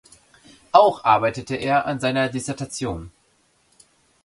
Auch arbeitete er an seiner Dissertation.